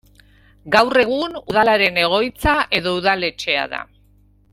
Gaur egun, Udalaren egoitza edo udaletxea da.